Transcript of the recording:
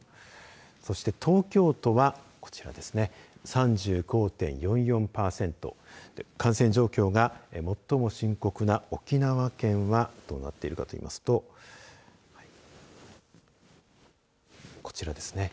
そして、東京都は３５．４４パーセント感染状況が最も深刻な沖縄県はどうなっているかと言いますとこちらですね。